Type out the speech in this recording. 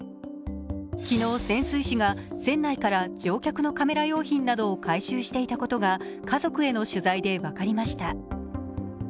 昨日、潜水士が船内から乗客のカメラ用品などを回収していたことが家族への取材で分かりました。